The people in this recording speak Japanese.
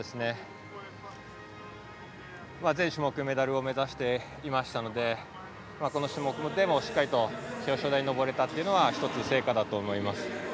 全種目、メダルを目指していたのでこの種目でも表彰台に上れたというのは１つ、成果だと思います。